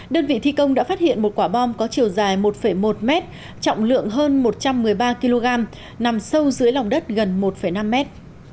đơn vị thi công đã phát hiện một quả bom có chiều dài một một mét trọng lượng hơn một trăm một mươi ba kg nằm sâu dưới lòng đất gần một năm mét